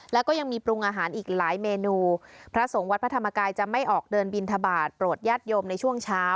แล้วก็ยังมีปรุงอาหารอีกหลายเมนูพระสงฆ์วัดพระธรรมกายจะไม่ออกเดินบินทบาทโปรดญาติโยมในช่วงเช้า